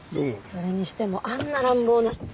それにしてもあんな乱暴な。